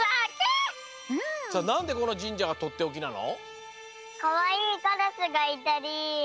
なんでこのじんじゃがとっておきなの？